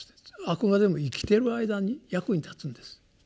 あくまでも生きてる間に役に立つんです。